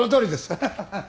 アハハハ。